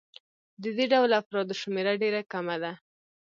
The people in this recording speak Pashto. د دې ډول افرادو شمېره ډېره کمه ده